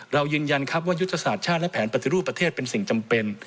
ยืนยันครับว่ายุทธศาสตร์ชาติและแผนปฏิรูปประเทศเป็นสิ่งจำเป็น